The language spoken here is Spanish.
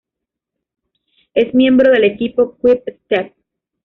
Es miembro del equipo Quick Step.